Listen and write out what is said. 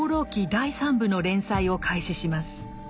第三部の連載を開始します。